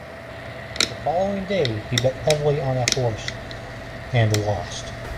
The following day he bet heavily on a horse, and lost.